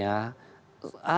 ada orang yang mengatakan